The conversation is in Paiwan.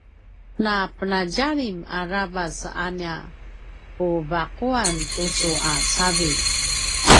napenadjalim aravac a nia puva’uan tucu a cavilj